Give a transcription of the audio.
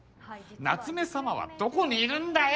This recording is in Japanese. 夏目さまはどこにいるんだよ！